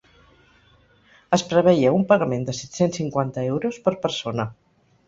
Es preveia un pagament de set-cents cinquanta euros per persona.